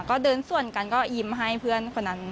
ก็เดินส่วนกันก็ยิ้มให้เพื่อนคนนั้น